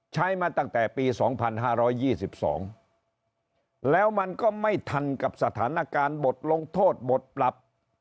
ใช้มาตั้งแต่ปี๒๕๒๒แล้วมันก็ไม่ทันกับสถานการณ์บทลงโทษบทปรับ